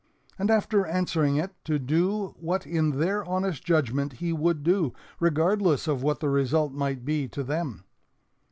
and, after answering it, to do what in their honest judgment He would do, regardless of what the result might be to them.